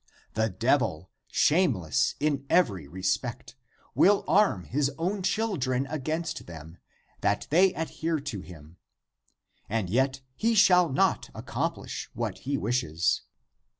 The devil, shame less in every respect, will arm his own children against them, that they adhere to him. And yet he shall not accomplish what he wishes.